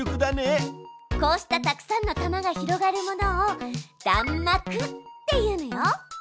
こうしたたくさんの弾が広がるものを弾幕っていうのよ。